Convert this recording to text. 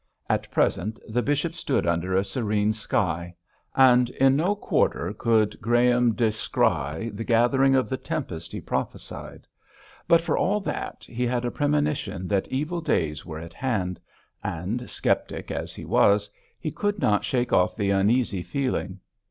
At present the bishop stood under a serene sky; and in no quarter could Graham descry the gathering of the tempest he prophesied. But for all that he had a premonition that evil days were at hand; and, sceptic as he was, he could not shake off the uneasy feeling.